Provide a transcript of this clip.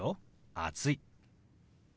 「暑い」。